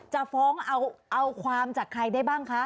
จะฟ้องเอาความจากใครได้บ้างคะ